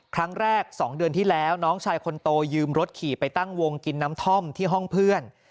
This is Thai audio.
ครั้งแรก๒เดือนที่แล้วน้องชายคนโตยืมรถขี่ไปตั้งวงกินน้ำท่อมที่ห้องเพื่อน